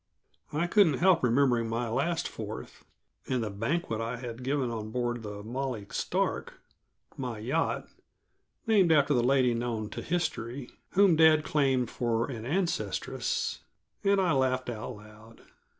I couldn't help remembering my last Fourth, and the banquet I had given on board the Molly Stark my yacht, named after the lady known to history, whom dad claims for an ancestress and I laughed out loud.